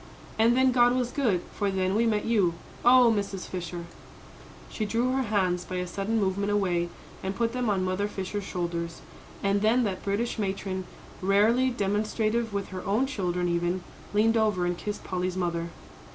And then God was good for then we met you! Oh, Mrs. Fisher!" She drew her hands by a sudden movement away, and put them on Mother Fisher's shoulders. And then that British matron, rarely demonstrative with her own children, even, leaned over and kissed Polly's mother.